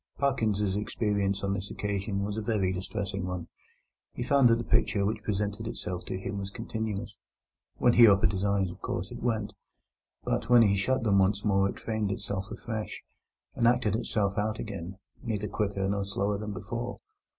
Parkins's experience on this occasion was a very distressing one. He found that the picture which presented itself to him was continuous. When he opened his eyes, of course, it went; but when he shut them once more it framed itself afresh, and acted itself out again, neither quicker nor slower than before.